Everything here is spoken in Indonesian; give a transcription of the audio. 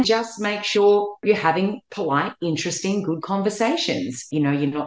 jadi tidak ada pakaian yang sangat singkat